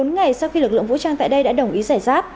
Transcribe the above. bốn ngày sau khi lực lượng vũ trang tại đây đã đồng ý giải giáp